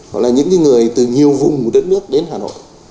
hoặc là những người từ nhiều vùng của đất nước đến hà nội